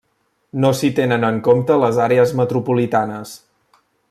No s'hi tenen en compte les àrees metropolitanes.